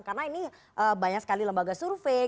karena ini banyak sekali lembaga survei